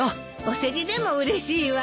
お世辞でもうれしいわ。